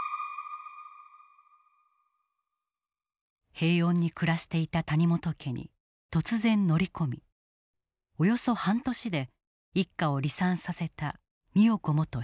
平穏に暮らしていた谷本家に突然乗り込みおよそ半年で一家を離散させた美代子元被告。